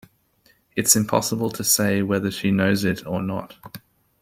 It's impossible to say whether she knows it or not.